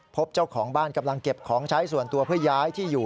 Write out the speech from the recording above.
พบเจ้าของบ้านกำลังเก็บของใช้ส่วนตัวเพื่อย้ายที่อยู่